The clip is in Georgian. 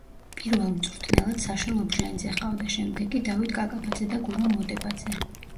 პირველ მწვრთნელად საშა ლობჟანიძე ჰყავდა, შემდეგ კი დავით კაკაბაძე და გურამ მოდებაძე.